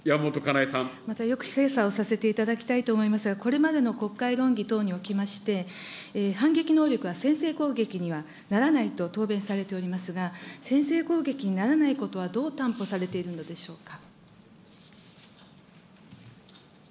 またよく精査をさせていただきたいと思いますが、これまでの国会論議等におきまして、反撃能力は先制攻撃にはならないと答弁されておりますが、先制攻撃にならないことはどう担保されているのでしょうか。